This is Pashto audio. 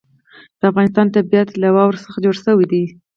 د افغانستان طبیعت له واوره څخه جوړ شوی دی.